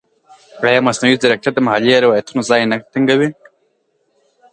ایا مصنوعي ځیرکتیا د محلي روایتونو ځای نه تنګوي؟